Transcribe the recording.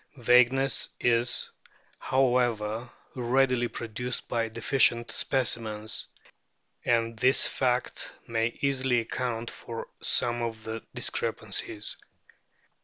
Vagueness is, however, readily produced by deficient specimens ; and this fact may easily account for some of the discrepancies.